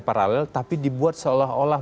paralel tapi dibuat seolah olah